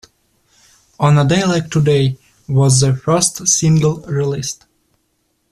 "On a Day Like Today" was the first single released.